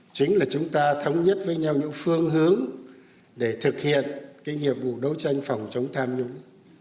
chính là chúng ta thống nhất với nhau những phương hướng để thực hiện cái nhiệm vụ đấu tranh phòng chống tham nhũng